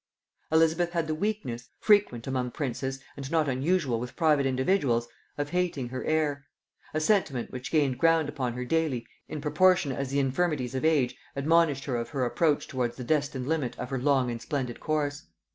] Elizabeth had the weakness, frequent among princes and not unusual with private individuals, of hating her heir; a sentiment which gained ground upon her daily in proportion as the infirmities of age admonished her of her approach towards the destined limit of her long and splendid course.